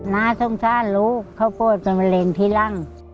น้าส่งศาลูกเขาปวดกับมะเร็งที่ล่าง